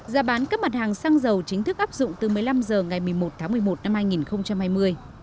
giá bán các mặt hàng xăng dầu chính thức áp dụng từ một mươi năm h ngày một mươi một tháng một mươi một năm hai nghìn hai mươi